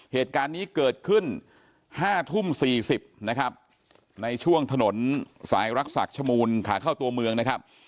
เหตุการณ์นี้เกิดขึ้น๕ทุ่ม๔๐นะครับในช่วงถนนสายรักษักชมูลขาเข้าตัวเมืองนะครับ